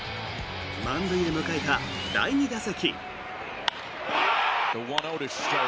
満塁で迎えた第２打席。